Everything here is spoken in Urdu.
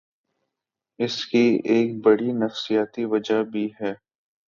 اس کی ایک بڑی نفسیاتی وجہ بھی ہے۔